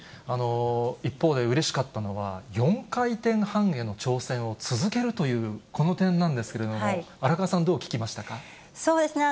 一方で、うれしかったのは、４回転半への挑戦を続けるという、この点なんですけれども、荒川さそうですね、